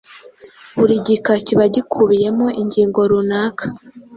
Buri gika kiba gikubiyemo ingingo runaka.